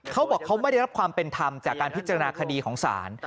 เขาบอกเขาไม่ได้รับความเป็นธรรมจากการพิจารณาคดีของศาล